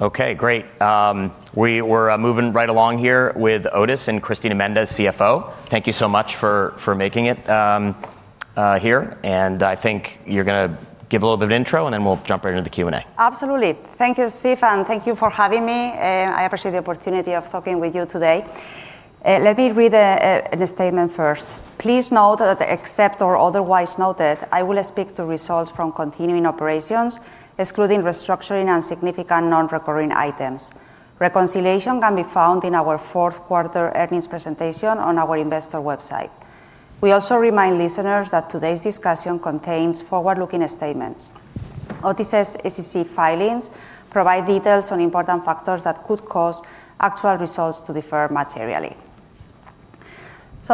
Okay, great. We're moving right along here with Otis and Cristina Méndez, CFO. Thank you so much for making it here. I think you're gonna give a little bit of intro, and then we'll jump right into the Q&A. Absolutely. Thank you, Steve, and thank you for having me. I appreciate the opportunity of talking with you today. Let me read a statement first. Please note that except as otherwise noted, I will speak to results from continuing operations, excluding restructuring and significant non-recurring items. Reconciliation can be found in our fourth quarter earnings presentation on our investor website. We also remind listeners that today's discussion contains forward-looking statements. Otis' SEC filings provide details on important factors that could cause actual results to differ materially.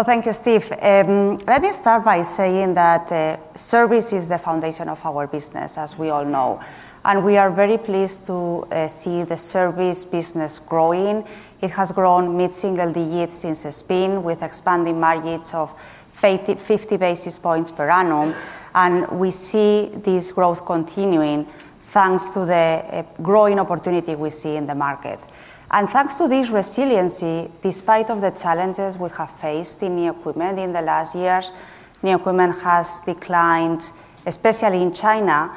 Thank you, Steve. Let me start by saying that service is the foundation of our business, as we all know, and we are very pleased to see the Service business growing. It has grown mid-single digits since it's been, with expanding margins of fifty basis points per annum, and we see this growth continuing thanks to the growing opportunity we see in the market. Thanks to this resiliency, despite of the challenges we have faced in New Equipment in the last years, New Equipment has declined, especially in China.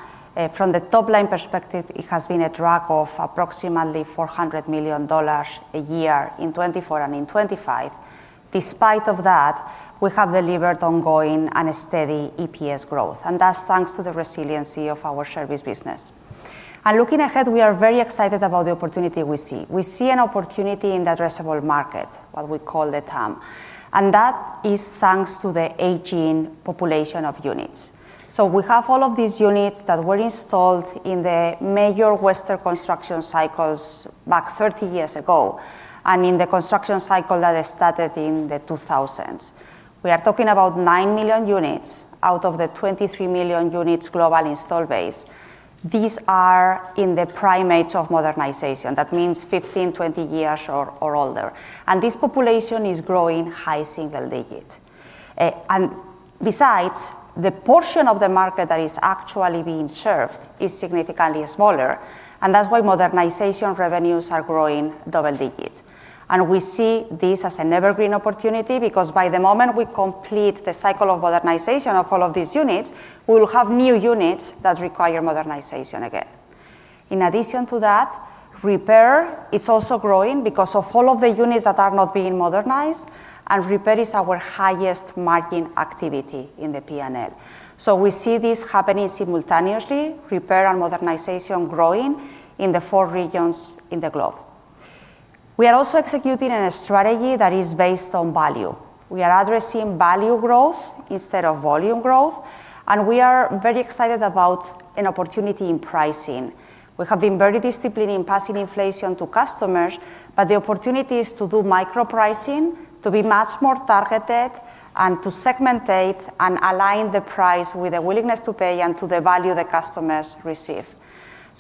From the top-line perspective, it has been a drag of approximately $400 million a year in 2024 and in 2025. Despite of that, we have delivered ongoing and a steady EPS growth, and that's thanks to the resiliency of our Service business. Looking ahead, we are very excited about the opportunity we see. We see an opportunity in the addressable market, what we call the TAM, and that is thanks to the aging population of units. We have all of these units that were installed in the major Western construction cycles back 30 years ago, and in the construction cycle that started in the 2000s. We are talking about 9 million units out of the 23 million units global installed base. These are in the prime age of modernization. That means 15, 20 years or older. This population is growing high single-digit. Besides, the portion of the market that is actually being served is significantly smaller, and that's why modernization revenues are growing double-digit. We see this as an evergreen opportunity because by the time we complete the cycle of modernization of all of these units, we will have new units that require modernization again. In addition to that, repair is also growing because of all of the units that are not being modernized, and repair is our highest margin activity in the P&L. We see this happening simultaneously, repair and modernization growing in the four regions in the globe. We are also executing on a strategy that is based on value. We are addressing value growth instead of volume growth, and we are very excited about an opportunity in pricing. We have been very disciplined in passing inflation to customers, but the opportunity is to do micro-pricing, to be much more targeted, and to segment and align the price with the willingness to pay and to the value the customers receive.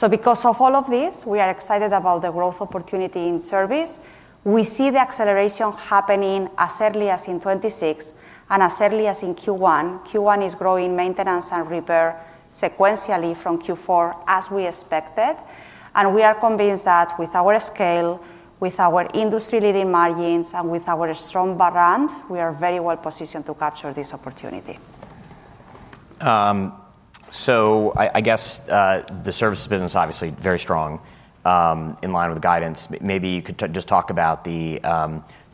Because of all of this, we are excited about the growth opportunity in Service. We see the acceleration happening as early as in 2026 and as early as in Q1. Q1 is growing maintenance and repair sequentially from Q4, as we expected. We are convinced that with our scale, with our industry-leading margins, and with our strong brand, we are very well positioned to capture this opportunity. I guess the Services business obviously very strong in line with the guidance. Maybe you could just talk about the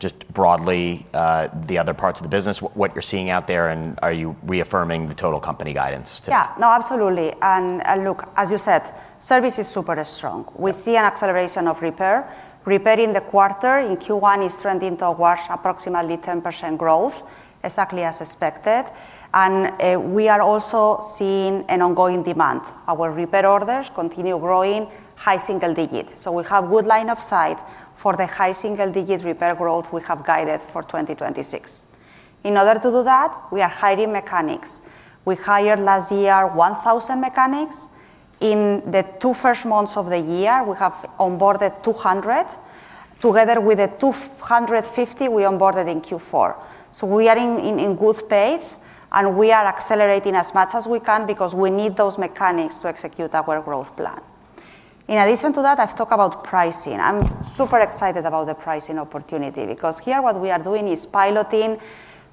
just broadly the other parts of the business, what you're seeing out there, and are you reaffirming the total company guidance to Yeah. No, absolutely. Look, as you said, Service is super strong. Yeah. We see an acceleration of repair. Repair in the quarter in Q1 is trending towards approximately 10% growth, exactly as expected. We are also seeing an ongoing demand. Our repair orders continue growing high single digits, so we have good line of sight for the high single-digit repair growth we have guided for 2026. In order to do that, we are hiring mechanics. We hired last year 1,000 mechanics. In the two first months of the year, we have onboarded 200, together with the 250 we onboarded in Q4. We are in good pace, and we are accelerating as much as we can because we need those mechanics to execute our growth plan. In addition to that, I've talked about pricing. I'm super excited about the pricing opportunity because here what we are doing is piloting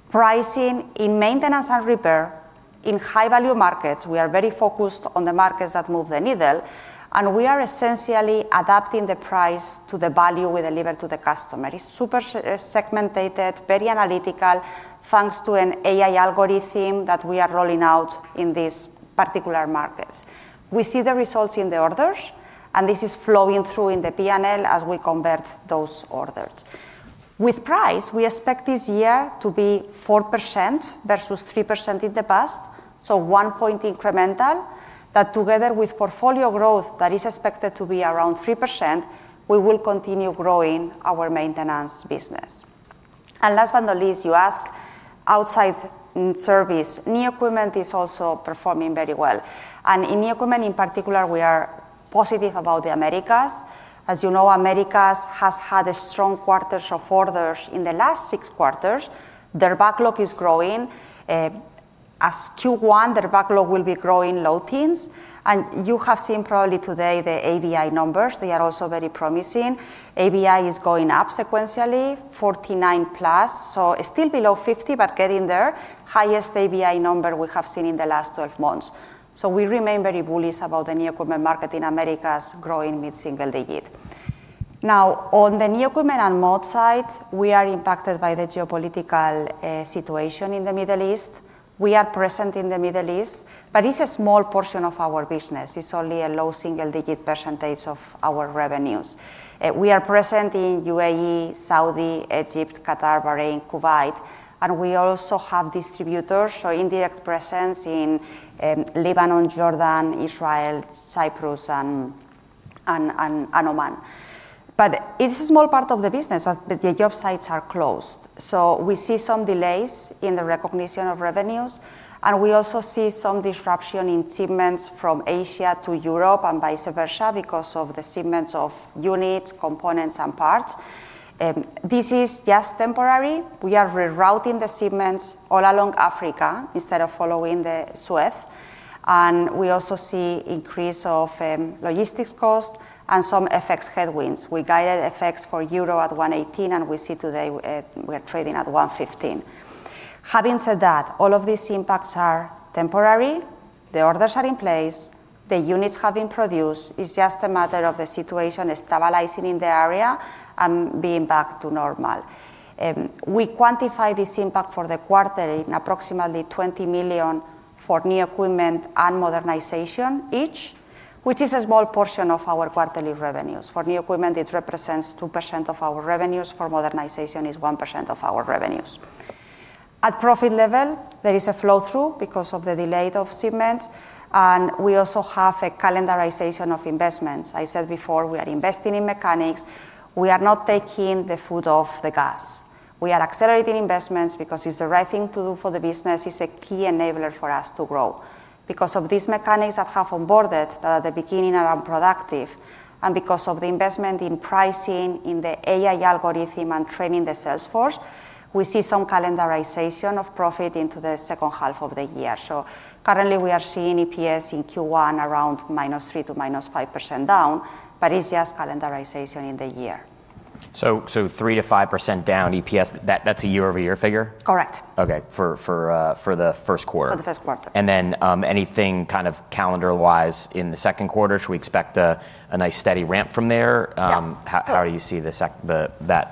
pricing in maintenance and repair in high-value markets. We are very focused on the markets that move the needle, and we are essentially adapting the price to the value we deliver to the customer. It's super segmented, very analytical, thanks to an AI algorithm that we are rolling out in these particular markets. We see the results in the orders, and this is flowing through in the P&L as we convert those orders. With price, we expect this year to be 4% versus 3% in the past, so 1 point incremental. That together with portfolio growth that is expected to be around 3%, we will continue growing our maintenance business. Last but not least, you ask outside in Service, New Equipment is also performing very well. In New Equipment in particular, we are positive about the Americas. As you know, Americas has had strong quarters of orders in the last 6 quarters. Their backlog is growing. As of Q1, the backlog will be growing low teens. You have seen probably today the ABI numbers. They are also very promising. ABI is going up sequentially 49+, so still below 50, but getting there. Highest ABI number we have seen in the last 12 months. We remain very bullish about the new equipment market in Americas growing mid-single digit. Now, on the New Equipment and mod side, we are impacted by the geopolitical situation in the Middle East. We are present in the Middle East, but it's a small portion of our business. It's only a low single-digit of our revenues. We are present in UAE, Saudi, Egypt, Qatar, Bahrain, Kuwait, and we also have distributors or indirect presence in Lebanon, Jordan, Israel, Cyprus and Oman. It's a small part of the business, but the job sites are closed. We see some delays in the recognition of revenues, and we also see some disruption in shipments from Asia to Europe and vice versa because of the shipments of units, components and parts. This is just temporary. We are rerouting the shipments all along Africa instead of following the Suez, and we also see increase of logistics costs and some FX headwinds. We guided FX for euro at 1.18, and we see today, we're trading at 1.15. Having said that, all of these impacts are temporary. The orders are in place. The units have been produced. It's just a matter of the situation stabilizing in the area and being back to normal. We quantify this impact for the quarter in approximately $20 million for New Equipment and modernization each, which is a small portion of our quarterly revenues. For New Equipment, it represents 2% of our revenues. For modernization, it's 1% of our revenues. At profit level, there is a flow-through because of the delay of shipments, and we also have a calendarization of investments. I said before, we are investing in mechanics. We are not taking the foot off the gas. We are accelerating investments because it's the right thing to do for the business. It's a key enabler for us to grow. Because of these mechanics that have onboarded at the beginning and are productive, and because of the investment in pricing, in the AI algorithm and training the sales force, we see some calendarization of profit into the second half of the year. Currently, we are seeing EPS in Q1 around -3% to -5% down, but it's just calendarization in the year. 3%-5% down EPS, that's a year-over-year figure? Correct. Okay. For the first quarter. For the first quarter. Anything kind of calendar-wise in the second quarter? Should we expect a nice steady ramp from there? Yeah. How do you see that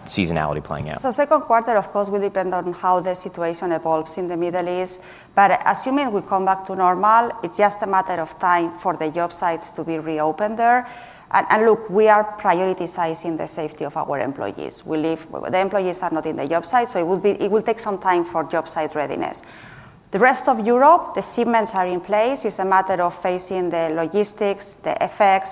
seasonality playing out? Second quarter, of course, will depend on how the situation evolves in the Middle East. Assuming we come back to normal, it's just a matter of time for the job sites to be reopened there. Look, we are prioritizing the safety of our employees. The employees are not in the job site, so it will take some time for job site readiness. The rest of Europe, the shipments are in place. It's a matter of facing the logistics, the FX,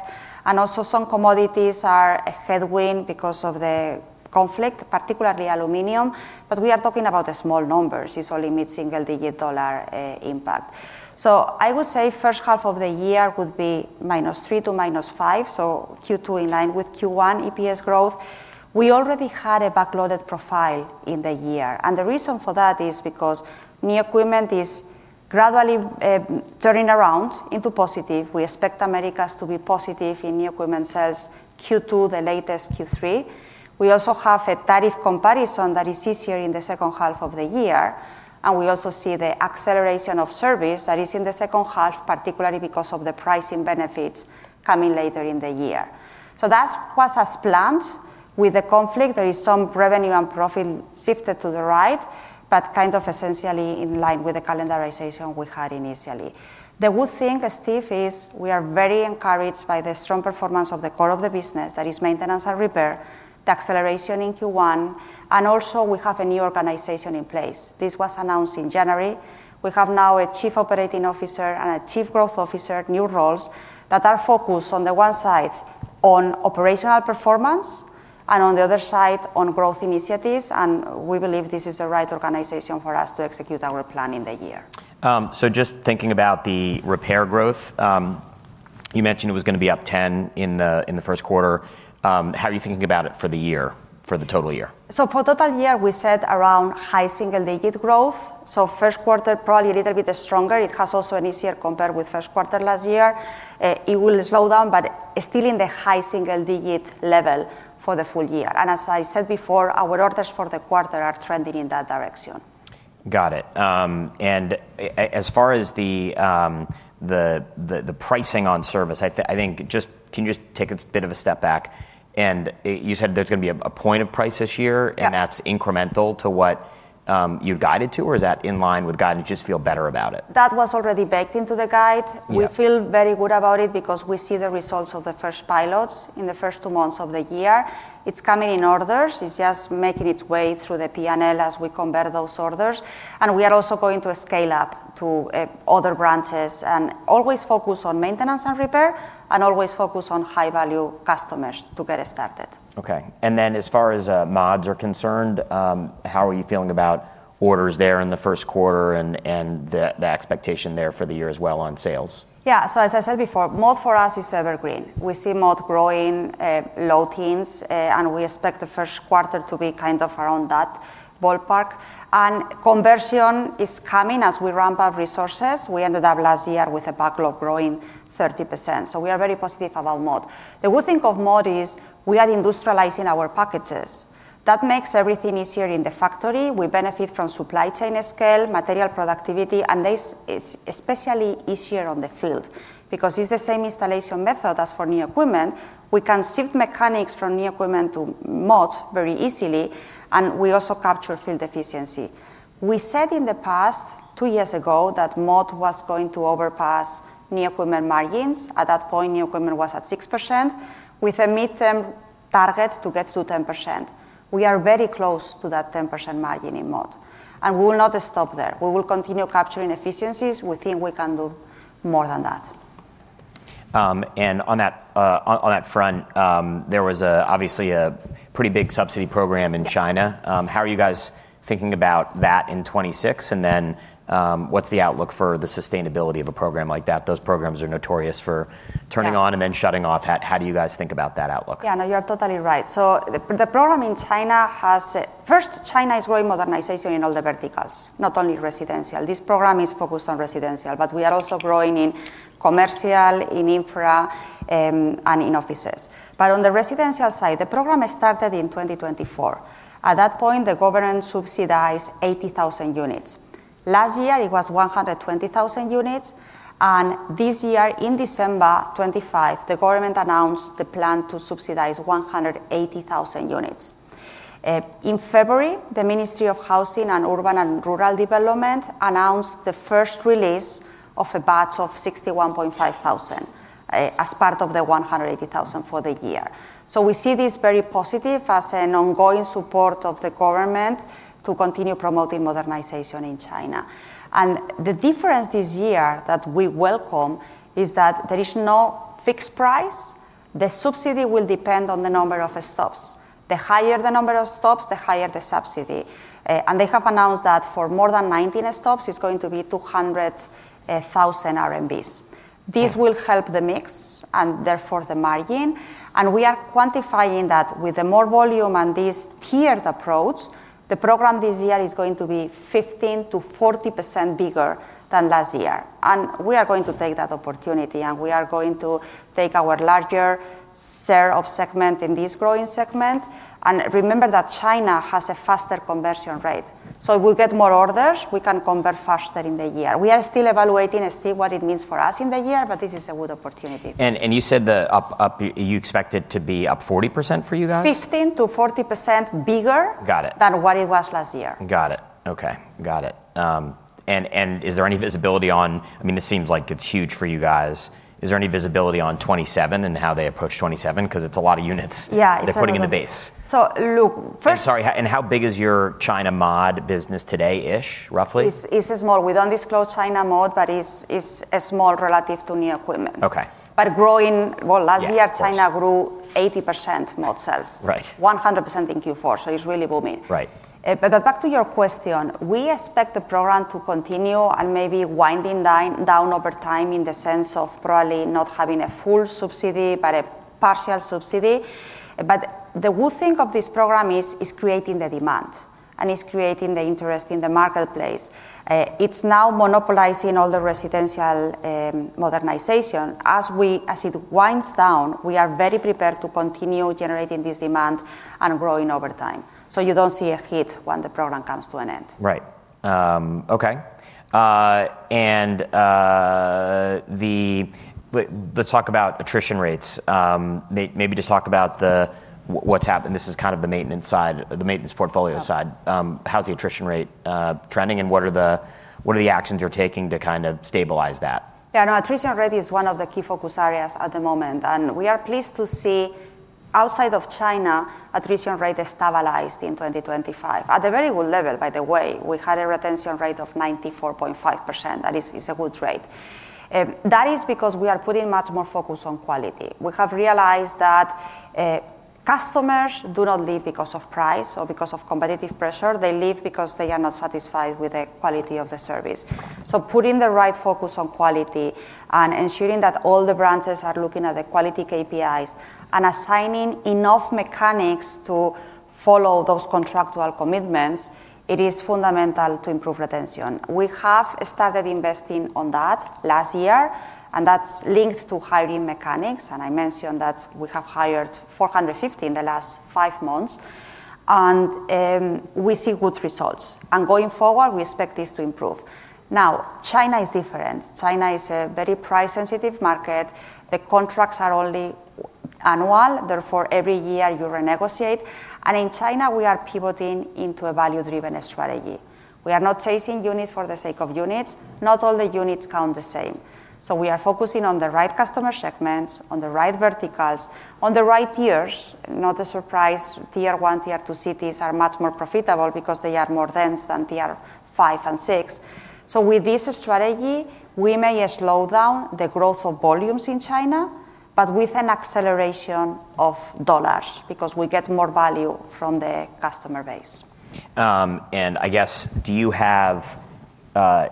and also some commodities are a headwind because of the conflict, particularly aluminum, but we are talking about the small numbers. It's only mid-single-digit dollar impact. I would say first half of the year would be -3% to -5%, so Q2 in line with Q1 EPS growth. We already had a backloaded profile in the year, and the reason for that is because New Equipment is gradually turning around into positive. We expect Americas to be positive in New Equipment sales Q2, albeit Q3. We also have a tariff comparison that is easier in the second half of the year, and we also see the acceleration of Service that is in the second half, particularly because of the pricing benefits coming later in the year. That's what was planned. With the conflict, there is some revenue and profit shifted to the right, but kind of essentially in line with the calendarization we had initially. The good thing, Steve, is we are very encouraged by the strong performance of the core of the business, that is maintenance and repair, the acceleration in Q1, and also we have a new organization in place. This was announced in January. We have now a Chief Operating Officer and a Chief Growth Officer, new roles that are focused on the one side on operational performance and on the other side on growth initiatives, and we believe this is the right organization for us to execute our plan in the year. Just thinking about the repair growth, you mentioned it was gonna be up 10% in the first quarter. How are you thinking about it for the year, for the total year? For full year, we said around high single-digit growth, so first quarter probably a little bit stronger. It has also an easier compare with first quarter last year. It will slow down but still in the high single-digit level for the full year. As I said before, our orders for the quarter are trending in that direction. Got it. As far as the pricing on service, can you just take a bit of a step back? You said there's gonna be a price point this year. Yeah... that's incremental to what, you guided to, or is that in line with guide and you just feel better about it? That was already baked into the guide. Yeah. We feel very good about it because we see the results of the first pilots in the first two months of the year. It's coming in orders. It's just making its way through the P&L as we compare those orders. We are also going to scale up to other branches and always focus on maintenance and repair and always focus on high-value customers to get started. Okay. As far as mods are concerned, how are you feeling about orders there in the first quarter and the expectation there for the year as well on sales? As I said before, mod for us is evergreen. We see mod growing low teens, and we expect the first quarter to be kind of around that ballpark. Conversion is coming as we ramp up resources. We ended up last year with a backlog growing 30%, so we are very positive about mod. The good thing of mod is we are industrializing our packages. That makes everything easier in the factory. We benefit from supply chain scale, material productivity, and this is especially easier on the field because it's the same installation method as for New Equipment. We can shift mechanics from New Equipment to mod very easily, and we also capture field efficiency. We said in the past, two years ago, that mod was going to surpass New Equipment margins. At that point, New Equipment was at 6% with a midterm target to get to 10%. We are very close to that 10% margin in mod, and we will not stop there. We will continue capturing efficiencies. We think we can do more than that. On that front, there was obviously a pretty big subsidy program in China. Yeah. How are you guys thinking about that in 2026? What's the outlook for the sustainability of a program like that? Those programs are notorious for turning on. Yeah. Shutting off. How do you guys think about that outlook? Yeah, no, you are totally right. The program in China. First, China is growing modernization in all the verticals, not only residential. This program is focused on residential, but we are also growing in commercial, in infra, and in offices. On the residential side, the program started in 2024. At that point, the government subsidized 80,000 units. Last year it was 120,000 units, and this year in December 2025, the government announced the plan to subsidize 180,000 units. In February, the Ministry of Housing and Urban-Rural Development announced the first release of a batch of 61,500, as part of the 180,000 for the year. We see this very positive as an ongoing support of the government to continue promoting modernization in China. The difference this year that we welcome is that there is no fixed price. The subsidy will depend on the number of stops. The higher the number of stops, the higher the subsidy. They have announced that for more than 19 stops, it's going to be 200,000 RMB. Okay. This will help the mix and therefore the margin, and we are quantifying that with the more volume and this tiered approach, the program this year is going to be 15%-40% bigger than last year. We are going to take that opportunity, and we are going to take our larger share of segment in this growing segment. Remember that China has a faster conversion rate, so we'll get more orders, we can convert faster in the year. We are still evaluating and see what it means for us in the year, but this is a good opportunity. You expect it to be up 40% for you guys? Fifteen to 40% bigger- Got it. than what it was last year. Got it. Okay. Got it. Is there any visibility on, I mean, this seems like it's huge for you guys. Is there any visibility on 2027 and how they approach 2027? 'Cause it's a lot of units. Yeah, it's a lot. They're putting in the base. Look, first. I'm sorry. How big is your China mod business today-ish, roughly? It's small. We don't disclose China mod, but it's small relative to New Equipment. Okay. Growing. Well, last year. Yeah, of course. China grew 80% mod sales. Right. 100% in Q4, so it's really booming. Right. Back to your question, we expect the program to continue and maybe winding down over time in the sense of probably not having a full subsidy, but a partial subsidy. The good thing of this program is creating the demand and it's creating the interest in the marketplace. It's now monopolizing all the residential modernization. As it winds down, we are very prepared to continue generating this demand and growing over time. You don't see a hit when the program comes to an end. Right. Okay. Let's talk about attrition rates. Maybe just talk about what's happened. This is kind of the maintenance side, the maintenance portfolio side. Okay. How's the attrition rate trending, and what are the actions you're taking to kind of stabilize that? Yeah, no, attrition rate is one of the key focus areas at the moment, and we are pleased to see outside of China attrition rate stabilized in 2025. At a very good level, by the way, we had a retention rate of 94.5%. That is a good rate. That is because we are putting much more focus on quality. We have realized that customers do not leave because of price or because of competitive pressure. They leave because they are not satisfied with the quality of the service. Putting the right focus on quality and ensuring that all the branches are looking at the quality KPIs and assigning enough mechanics to follow those contractual commitments, it is fundamental to improve retention. We have started investing on that last year, and that's linked to hiring mechanics, and I mentioned that we have hired 450 in the last five months. We see good results, and going forward, we expect this to improve. Now, China is different. China is a very price-sensitive market. The contracts are only annual, therefore, every year you renegotiate. In China, we are pivoting into a value-driven strategy. We are not chasing units for the sake of units. Not all the units count the same. We are focusing on the right customer segments, on the right verticals, on the right tiers. Not a surprise, Tier 1, Tier 2 cities are much more profitable because they are more dense than Tier 5 and 6. With this strategy, we may slow down the growth of volumes in China, but with an acceleration of dollars because we get more value from the customer base. I guess, do you have, do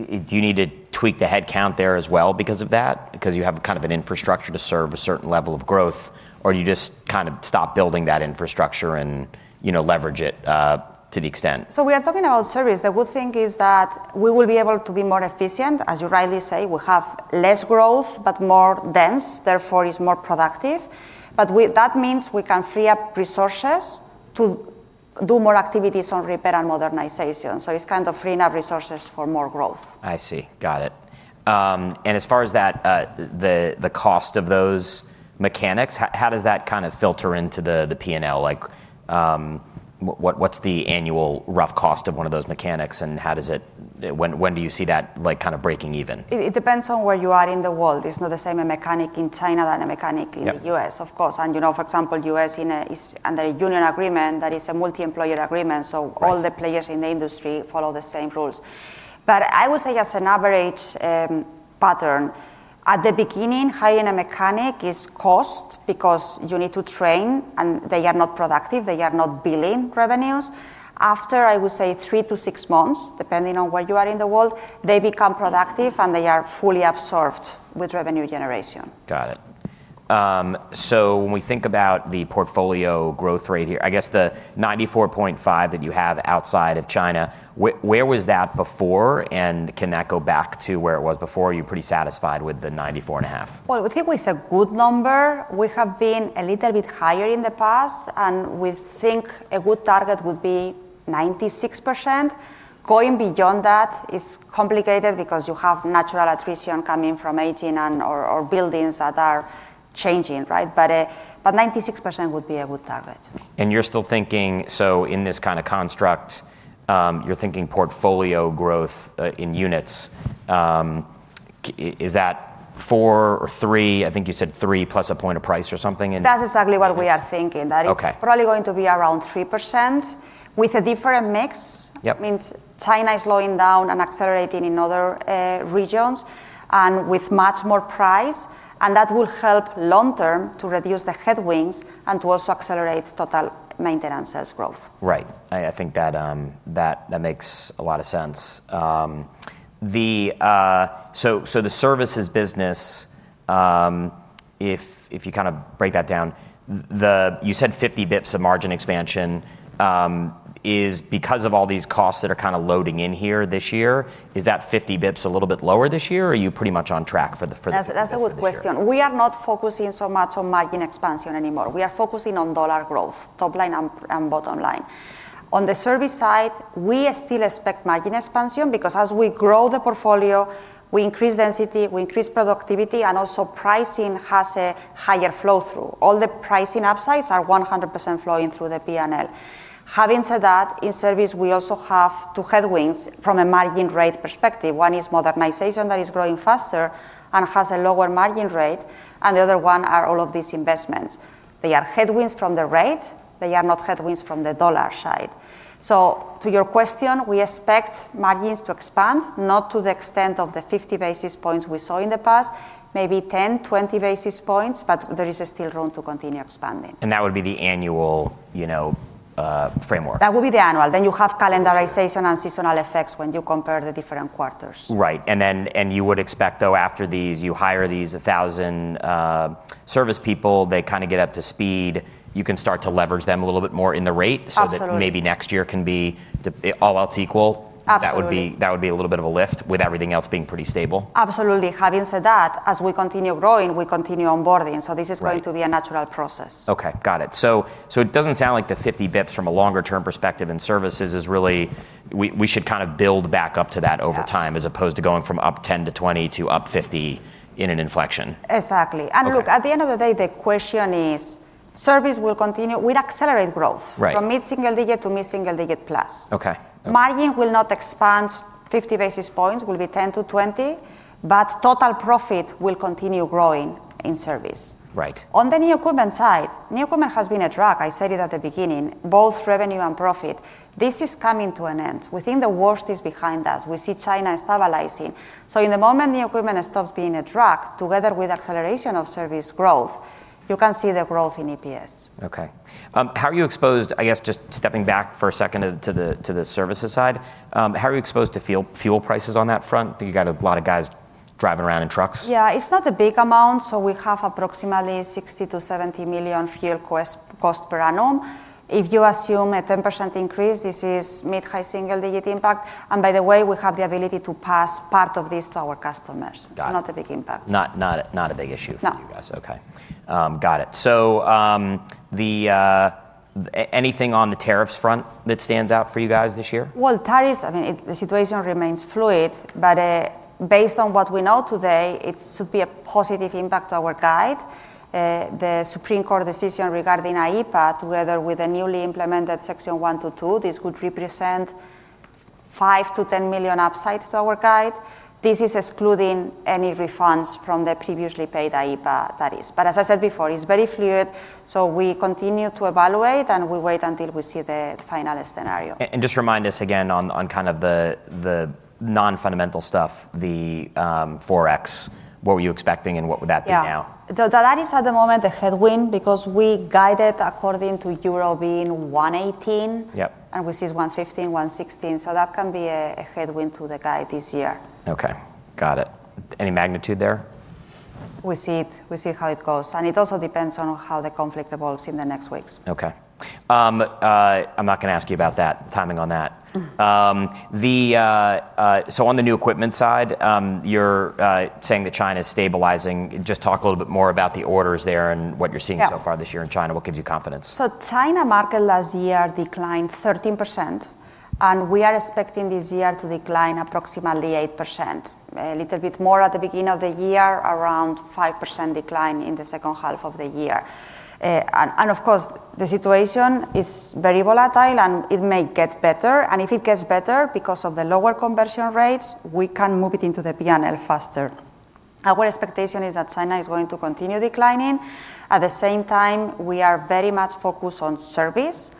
you need to tweak the headcount there as well because of that? Because you have kind of an infrastructure to serve a certain level of growth, or do you just kind of stop building that infrastructure and, you know, leverage it, to the extent? We are talking about service. The good thing is that we will be able to be more efficient. As you rightly say, we have less growth, but more dense, therefore is more productive. But that means we can free up resources to do more activities on repair and modernization. It's kind of freeing up resources for more growth. I see. Got it. As far as that, the cost of those mechanics, how does that kind of filter into the P&L? Like, what's the annual rough cost of one of those mechanics, and how does it. When do you see that, like, kind of breaking even? It depends on where you are in the world. It's not the same a mechanic in China than a mechanic in- Yeah the U.S., of course. You know, for example, U.S., you know, is under a union agreement that is a multi-employer agreement. Right All the players in the industry follow the same rules. I would say as an average pattern, at the beginning, hiring a mechanic is a cost because you need to train and they are not productive, they are not billing revenues. After, I would say, three to six months, depending on where you are in the world, they become productive and they are fully absorbed with revenue generation. Got it. When we think about the portfolio growth rate here, I guess the 94.5% that you have outside of China, where was that before and can that go back to where it was before, or are you pretty satisfied with the 94.5%? Well, I think it's a good number. We have been a little bit higher in the past, and we think a good target would be 96%. Going beyond that is complicated because you have natural attrition coming from aging and or buildings that are changing, right? 96% would be a good target. You're still thinking in this kind of construct, you're thinking portfolio growth in units. Is that four or three? I think you said three plus a point of price or something and That's exactly what we are thinking. Okay. That is probably going to be around 3% with a different mix. Yep. Means China is slowing down and accelerating in other regions and with much more price, and that will help long term to reduce the headwinds and to also accelerate total maintenance as growth. Right. I think that makes a lot of sense. The Services business, if you kind of break that down. You said 50 basis points of margin expansion is because of all these costs that are kind of loading in here this year. Is that 50 basis points a little bit lower this year, or are you pretty much on track for the That's a good question. We are not focusing so much on margin expansion anymore. We are focusing on dollar growth, top line and bottom line. On the Service side, we still expect margin expansion because as we grow the portfolio, we increase density, we increase productivity, and also pricing has a higher flow through. All the pricing upsides are 100% flowing through the P&L. Having said that, in Service, we also have two headwinds from a margin rate perspective. One is modernization that is growing faster and has a lower margin rate, and the other one are all of these investments. They are headwinds from the rate. They are not headwinds from the dollar side. To your question, we expect margins to expand, not to the extent of the 50 basis points we saw in the past, maybe 10-20 basis points, but there is still room to continue expanding. That would be the annual, you know, framework. That would be the annual. You have calendarization. Okay Seasonal effects when you compare the different quarters. Right. You would expect, though, after these, you hire these 1,000 service people, they kind of get up to speed, you can start to leverage them a little bit more in the rate- Absolutely All else equal. Absolutely That would be a little bit of a lift with everything else being pretty stable. Absolutely. Having said that, as we continue growing, we continue onboarding. Right. This is going to be a natural process. Okay. Got it. It doesn't sound like the 50 basis points from a longer term perspective in Services is really we should kind of build back up to that over time. Yeah As opposed to going from up 10% to 20% to up 50% in an inflection. Exactly. Okay. Look, at the end of the day, the question is Service will continue. We'd accelerate growth- Right from mid-single-digit to mid-single-digit plus. Okay. Margin will not expand 50 basis points, will be 10-20, but total profit will continue growing in Service. Right. On the New Equipment side, New Equipment has been a drag, I said it at the beginning, both revenue and profit. This is coming to an end. We think the worst is behind us. We see China stabilizing. In the moment New Equipment stops being a drag, together with acceleration of service growth, you can see the growth in EPS. Okay. How are you exposed, I guess just stepping back for a second to the Services side, how are you exposed to fuel prices on that front? You got a lot of guys driving around in trucks. Yeah. It's not a big amount, so we have approximately $60 million-$70 million fuel cost per annum. If you assume a 10% increase, this is mid-to-high single-digit impact, and by the way, we have the ability to pass part of this to our customers. Got it. Not a big impact. Not a big issue. No for you guys. Okay. Got it. Anything on the tariffs front that stands out for you guys this year? Well, tariffs, I mean, it, the situation remains fluid, but based on what we know today, it should be a positive impact to our guide. The Supreme Court decision regarding IEEPA, together with the newly implemented Section 122, this could represent $5 million-$10 million upside to our guide. This is excluding any refunds from the previously paid IEEPA, that is. As I said before, it's very fluid, so we continue to evaluate, and we wait until we see the final scenario. Just remind us again on kind of the non-fundamental stuff, the FX, what were you expecting and what would that be now? Yeah. That is at the moment a headwind because we guided according to euro being 1.18. Yep. We see it's 1.15, 1.16, so that can be a headwind to the guide this year. Okay. Got it. Any magnitude there? We see how it goes. It also depends on how the conflict evolves in the next weeks. Okay. I'm not gonna ask you about that, timing on that. Mm. On the New Equipment side, you're saying that China's stabilizing. Just talk a little bit more about the orders there and what you're seeing? Yeah so far this year in China. What gives you confidence? China market last year declined 13%, and we are expecting this year to decline approximately 8%. A little bit more at the beginning of the year, around 5% decline in the second half of the year. Of course, the situation is very volatile, and it may get better. If it gets better, because of the lower conversion rates, we can move it into the P&L faster. Our expectation is that China is going to continue declining. At the same time, we are very much focused on service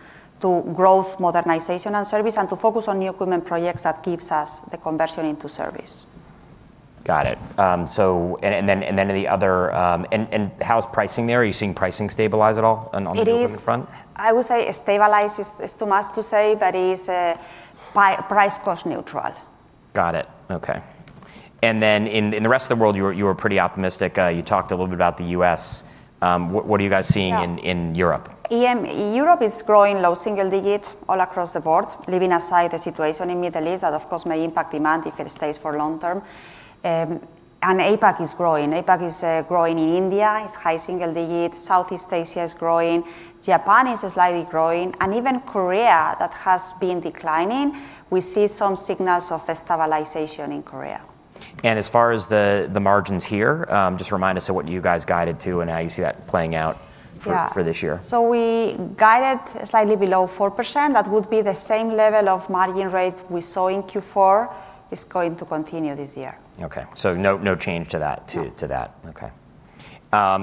to growth modernization and service and to focus on New Equipment projects that gives us the conversion into service. Got it. How's pricing there? Are you seeing pricing stabilize at all on the equipment front? It is. I would say stability is too much to say, but it is price-cost neutral. Got it. Okay. In the rest of the world you were pretty optimistic. You talked a little bit about the U.S. What are you guys seeing? Yeah in Europe? Europe is growing low single digit all across the board, leaving aside the situation in Middle East that of course may impact demand if it stays for long term. APAC is growing. APAC is growing in India. It's high single digits. Southeast Asia is growing. Japan is slightly growing. Even Korea that has been declining, we see some signals of a stabilization in Korea. As far as the margins here, just remind us of what you guys guided to and how you see that playing out? Yeah for this year. We guided slightly below 4%. That would be the same level of margin rate we saw in Q4. It's going to continue this year. Okay. No change to that. No to that. Okay.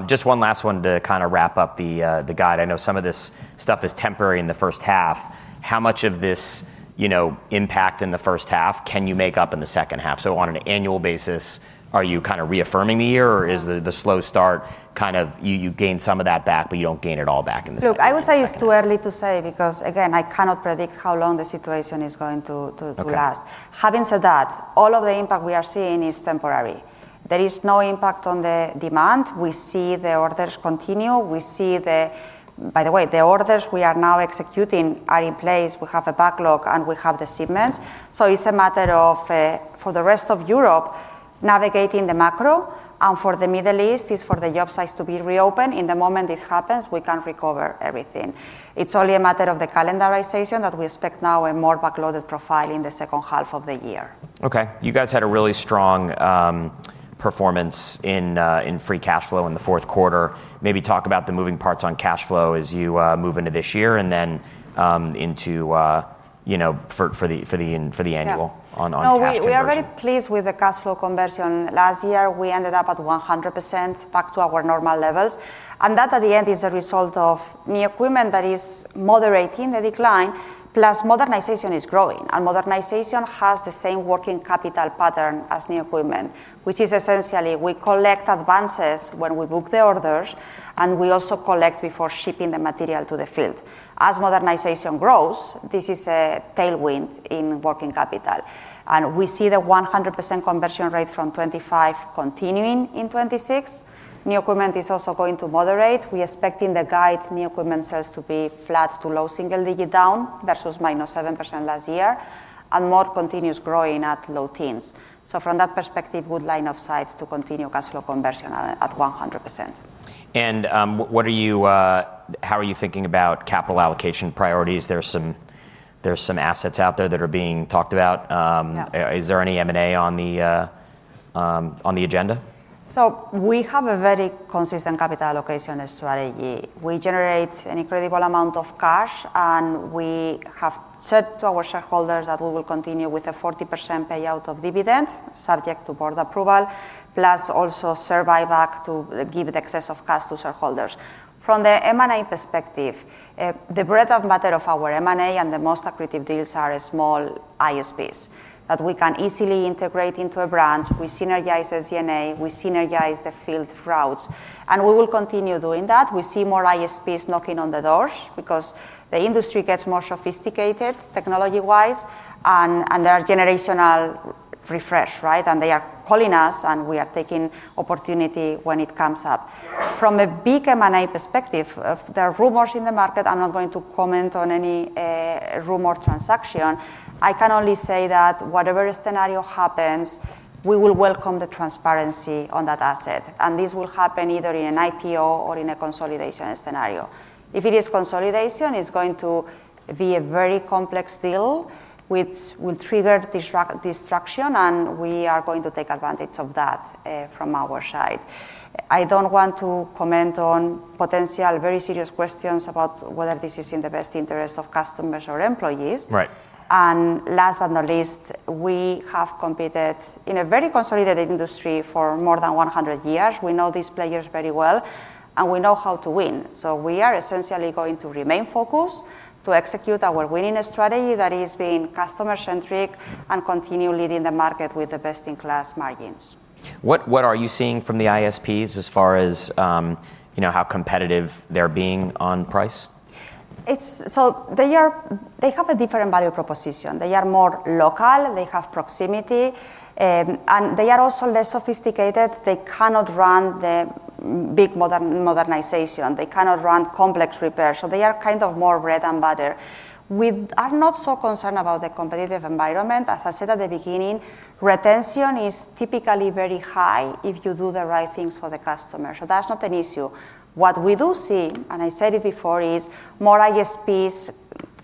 Just one last one to kinda wrap up the the guide. I know some of this stuff is temporary in the first half. How much of this, you know, impact in the first half can you make up in the second half? On an annual basis, are you kinda reaffirming the year? No. Is the slow start kind of you gain some of that back, but you don't gain it all back in the second half, or are you- Look, I would say it's too early to say because, again, I cannot predict how long the situation is going to last. Okay. Having said that, all of the impact we are seeing is temporary. There is no impact on the demand. We see the orders continue. By the way, the orders we are now executing are in place. We have a backlog, and we have the shipments. It's a matter of, for the rest of Europe, navigating the macro. For the Middle East, it's for the job sites to be reopened. In the moment this happens, we can recover everything. It's only a matter of the calendarization that we expect now a more backloaded profile in the second half of the year. Okay. You guys had a really strong performance in free cash flow in the fourth quarter. Maybe talk about the moving parts on cash flow as you move into this year and then into, you know, for the annual. Yeah on cash conversion. No, we are very pleased with the cash flow conversion. Last year we ended up at 100%, back to our normal levels. That at the end is a result of New Equipment that is moderating the decline, plus modernization is growing. Modernization has the same working capital pattern as New Equipment, which is essentially we collect advances when we book the orders, and we also collect before shipping the material to the field. As modernization grows, this is a tailwind in working capital. We see the 100% conversion rate from 2025 continuing in 2026. New Equipment is also going to moderate. We're expecting the guide New Equipment sales to be flat to low single digit down versus -7% last year, and mod continues growing at low teens. From that perspective, good line of sight to continue cash flow conversion at 100%. What are you... How are you thinking about capital allocation priorities? There's some assets out there that are being talked about. Yeah. Is there any M&A on the agenda? We have a very consistent capital allocation strategy. We generate an incredible amount of cash, and we have said to our shareholders that we will continue with a 40% payout of dividend, subject to board approval, plus also share buyback to give the excess of cash to shareholders. From the M&A perspective, the bread and butter of our M&A and the most accretive deals are small ISPs that we can easily integrate into a branch. We synergize SG&A, we synergize the field routes, and we will continue doing that. We see more ISPs knocking on the doors because the industry gets more sophisticated technology-wise and there are generational refresh, right? They are calling us, and we are taking opportunity when it comes up. From a big M&A perspective. There are rumors in the market, I'm not going to comment on any rumor transaction. I can only say that whatever scenario happens, we will welcome the transparency on that asset, and this will happen either in an IPO or in a consolidation scenario. If it is consolidation, it's going to be a very complex deal which will trigger destruction, and we are going to take advantage of that, from our side. I don't want to comment on potential very serious questions about whether this is in the best interest of customers or employees. Right. Last but not least, we have competed in a very consolidated industry for more than 100 years. We know these players very well, and we know how to win. We are essentially going to remain focused to execute our winning strategy that is being customer-centric and continue leading the market with the best-in-class margins. What are you seeing from the ISPs as far as, you know, how competitive they're being on price? They have a different value proposition. They are more local, they have proximity, and they are also less sophisticated. They cannot run the big modernization. They cannot run complex repairs. They are kind of more bread and butter. We are not so concerned about the competitive environment. As I said at the beginning, retention is typically very high if you do the right things for the customer. That's not an issue. What we do see, and I said it before, is more ISPs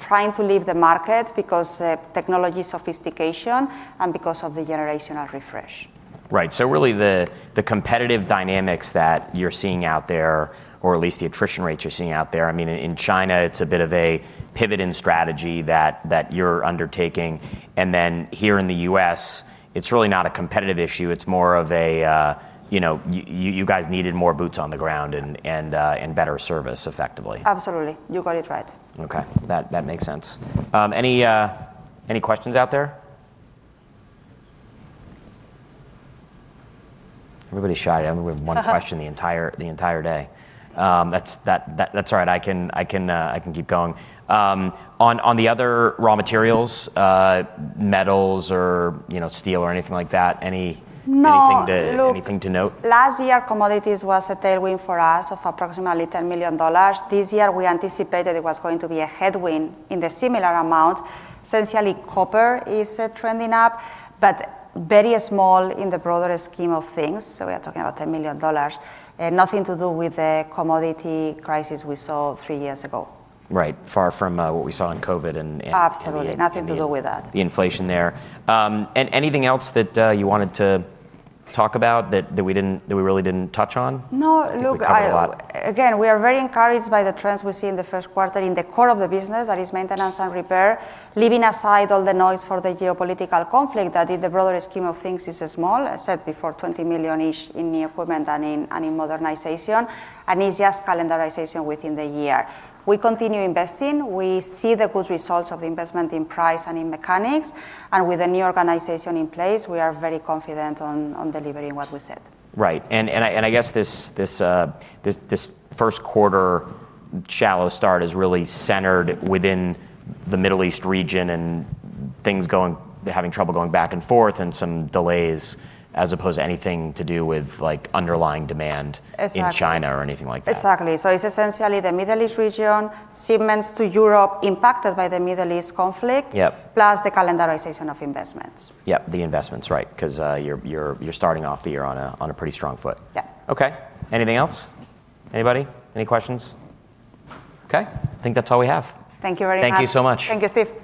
trying to leave the market because of technology sophistication and because of the generational refresh. Right. Really the competitive dynamics that you're seeing out there, or at least the attrition rates you're seeing out there, I mean in China, it's a bit of a pivot in strategy that you're undertaking, and then here in the U.S., it's really not a competitive issue, it's more of a, you know, you guys needed more boots on the ground and better service effectively. Absolutely. You got it right. Okay. That makes sense. Any questions out there? Everybody's shy. I mean we have one question the entire day. That's all right. I can keep going. On the other raw materials, metals or, you know, steel or anything like that, any- No... anything to- Look- Anything to note? Last year commodities was a tailwind for us of approximately $10 million. This year we anticipated it was going to be a headwind in the similar amount. Essentially copper is trending up, but very small in the broader scheme of things, so we are talking about $10 million. Nothing to do with the commodity crisis we saw three years ago. Right. Far from what we saw in COVID and. Absolutely. Nothing to do with that. The inflation there. Anything else that you wanted to talk about that we really didn't touch on? No. Look. I think we covered a lot. Again, we are very encouraged by the trends we see in the first quarter in the core of the business, that is maintenance and repair. Leaving aside all the noise for the geopolitical conflict that in the broader scheme of things is small, I said before $20 million-ish in New Equipment and in modernization, and it's just calendarization within the year. We continue investing. We see the good results of investment in pricing and in mechanics, and with the new organization in place, we are very confident on delivering what we said. Right. I guess this first quarter shallow start is really centered within the Middle East region and things having trouble going back and forth and some delays as opposed to anything to do with, like, underlying demand. Exactly in China or anything like that. Exactly. It's essentially the Middle East region, shipments to Europe impacted by the Middle East conflict. Yep plus the calendarization of investments. Yep, the investments, right, 'cause you're starting off the year on a pretty strong foot. Yeah. Okay. Anything else? Anybody? Any questions? Okay, I think that's all we have. Thank you very much. Thank you so much. Thank you, Steve.